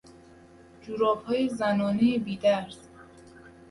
جورابهای زنانهی بیدرز